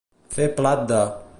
Fer plat de.